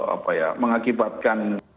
apa ya mengakibatkan